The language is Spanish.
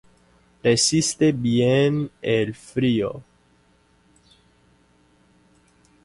Resiste bien el frío.